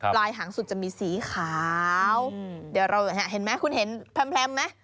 หางสุดจะมีสีขาวเดี๋ยวเราเห็นไหมคุณเห็นแพรมไหม